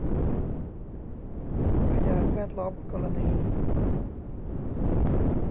พยานแวดล้อมกรณี